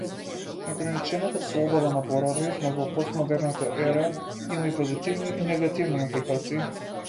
Неограничената слобода на плурализмот во постмодерната ера има и позитивни и негативни импликации.